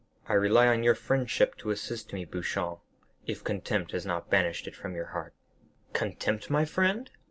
I rely on your friendship to assist me, Beauchamp, if contempt has not banished it from your heart." "Contempt, my friend?